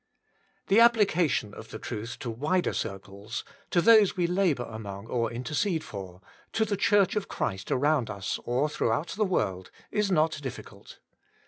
The application of the truth to wider circles, to those we labour among or intercede for, to the Church of Christ around us, or throughout the world, is not difficult.